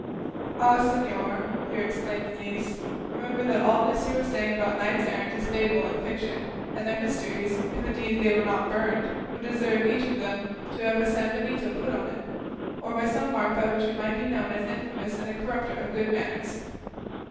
"Ah, señor," here exclaimed the niece, "remember that all this you are saying about knights errant is fable and fiction; and their histories, if indeed they were not burned, would deserve, each of them, to have a sambenito put on it, or some mark by which it might be known as infamous and a corrupter of good manners."